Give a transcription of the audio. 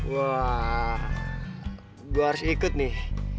wah gue harus ikut nih